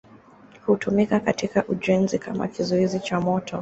Hutumika katika ujenzi kama kizuizi cha moto.